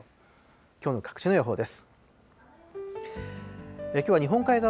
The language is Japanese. きょうの各地の予報です。